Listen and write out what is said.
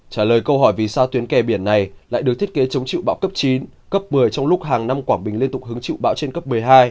trả lời câu hỏi vì sao tuyến kè biển này lại được thiết kế chống chịu bão cấp chín cấp một mươi trong lúc hàng năm quảng bình liên tục hứng chịu bão trên cấp một mươi hai